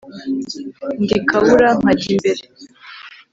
Ndikabura nkajya imbere,